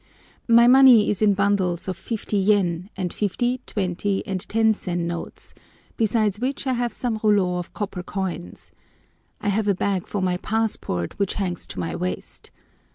My money is in bundles of 50 yen, and 50, 20, and 10 sen notes, besides which I have some rouleaux of copper coins. I have a bag for my passport, which hangs to my waist.